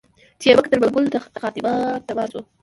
چي یې وکتل منګول ته خامتما سو